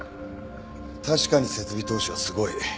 確かに設備投資はすごい。